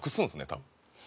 多分。